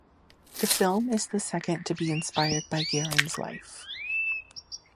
The film is the second to be inspired by Guerin's life.